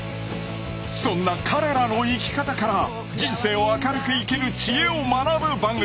そんな彼らの生き方から人生を明るく生きる知恵を学ぶ番組